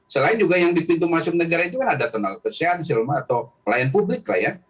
selain juga yang di pintu masuk negara itu kan ada tenaga kesehatan silman atau pelayan publik lah ya